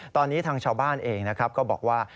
ตอนนี้ทางชาวบ้านเองก็บอกว่า